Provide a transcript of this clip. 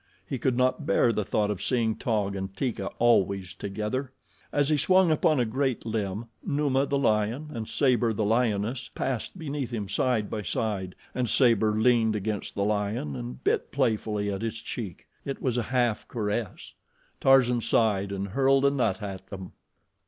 He could not bear the thought of seeing Taug and Teeka always together. As he swung upon a great limb Numa, the lion, and Sabor, the lioness, passed beneath him, side by side, and Sabor leaned against the lion and bit playfully at his cheek. It was a half caress. Tarzan sighed and hurled a nut at them.